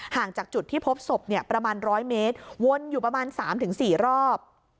จากจุดที่พบศพประมาณ๑๐๐เมตรวนอยู่ประมาณ๓๔รอบ